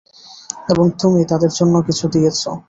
এবং তুমি তাদের অন্য কিছু দিয়েছ।